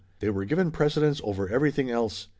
They were given precedence over everything else.